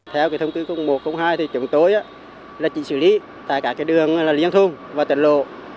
theo thông tin một trăm linh hai thì chúng tôi chỉ xử lý tại cả đường lý văn thôn và tận lộ